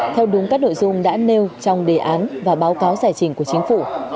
theo đúng các nội dung đã nêu trong đề án và báo cáo giải trình của chính phủ